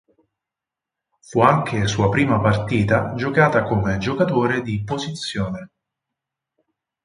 Fu anche sua prima partita giocata come giocatore di posizione.